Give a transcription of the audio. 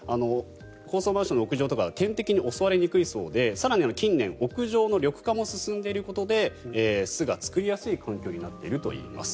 高層マンションの屋上とかは天敵に襲われにくいそうで更に近年屋上の緑化も進んでいることで巣が作りやすい環境になっているといいます。